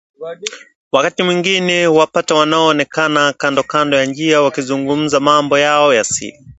Wakati mwingine huwapata wamekaa kando kando ya njia wakizungumza mambo yao ya siri